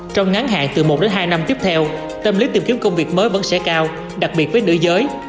trong ngắn hạn từ một đến hai năm tiếp theo tâm lý tìm kiếm công việc mới vẫn sẽ cao đặc biệt với nữ giới